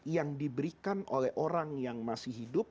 yang diberikan oleh orang yang masih hidup